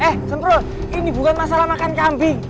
eh semprot ini bukan masalah makan kambing